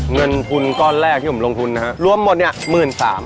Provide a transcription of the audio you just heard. เงินทุนก้อนแรกที่ผมลงทุนนะฮะรวมหมดเนี่ย๑๓๐๐บาท